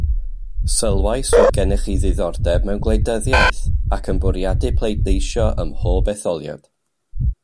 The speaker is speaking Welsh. Sylwais fod gennych chi ddiddordeb mewn gwleidyddiaeth ac yn bwriadu pleidleisio ymhob etholiad